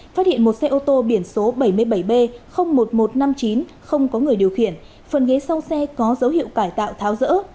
phát hiện một xe ô tô biển số bảy mươi bảy b một nghìn một trăm năm mươi chín không có người điều khiển phần ghế sau xe có dấu hiệu cải tạo tháo rỡ